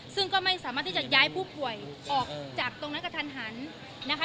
ซึ่งก็ไม่สามารถที่จะย้ายผู้ป่วยออกจากตรงนั้นกระทันหันนะคะ